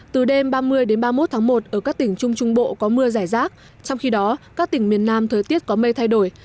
từ đêm ba mươi đến ba mươi một tháng một ở các tỉnh trung trung bộ có mưa giải rác trong khi đó các tỉnh miền nam thời tiết có mây thay đổi